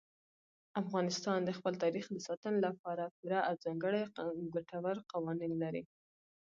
افغانستان د خپل تاریخ د ساتنې لپاره پوره او ځانګړي ګټور قوانین لري.